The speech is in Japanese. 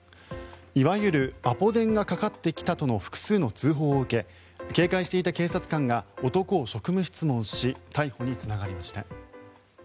いわゆるアポ電がかかってきたとの複数の通報を受け警戒していた警察官が男を職務質問し逮捕につながりました。